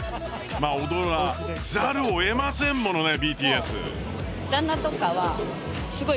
まあ踊らざるをえませんものねＢＴＳ。